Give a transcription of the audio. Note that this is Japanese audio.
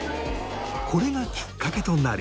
これがきっかけとなり。